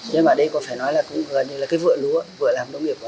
nhưng mà đây cũng phải nói là vợ lúa vợ làm đông nghiệp